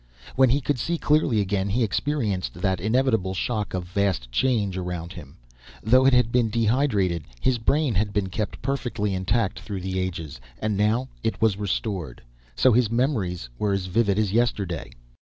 When he could see clearly again, he experienced that inevitable shock of vast change around him. Though it had been dehydrated, his brain had been kept perfectly intact through the ages, and now it was restored. So his memories were as vivid as yesterday.